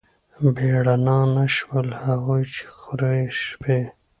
بې رڼا نه شول، هغوی چې خوروي شپې